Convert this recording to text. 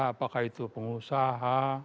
apakah itu pengusaha